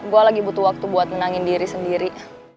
gue lagi butuh waktu buat menangin diri sendiri